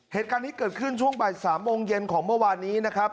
เหตุการณ์นี้เกิดขึ้นช่วงบ่าย๓โมงเย็นของเมื่อวานนี้นะครับ